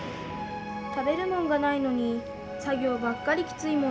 食べるもんがないのに作業ばっかりきついもんね。